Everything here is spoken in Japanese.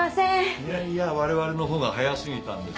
いやいや我々の方が早すぎたんです。